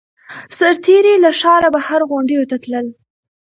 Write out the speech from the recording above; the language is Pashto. سرتېري له ښاره بهر غونډیو ته تلل.